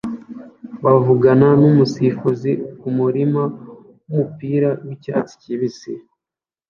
bavugana numusifuzi kumurima wumupira wicyatsi kibisi